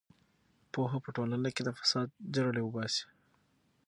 پوهه په ټولنه کې د فساد جرړې وباسي.